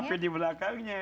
tapi di belakangnya